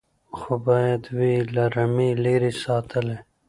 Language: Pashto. خو باید وي له رمې لیري ساتلی